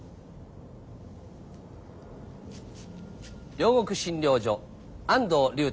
両国診療所安藤竜太